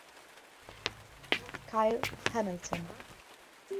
Kyle Hamilton